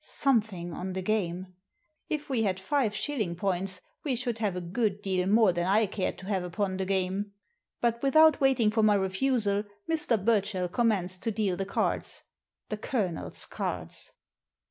Something on the game ! If we had five shilling points we should have a good deal more than I cared to have upon the game. But without waiting for my refusal Mr. Burchell commenced to deal the cards — the " Colonel's" cards